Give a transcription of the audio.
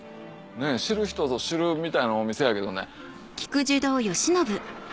知る人ぞ知るみたいなお店やけどね。